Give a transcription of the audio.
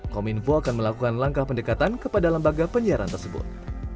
kominfo akan melakukan langkah pendekatan kepada lembaga penyiaran tersebut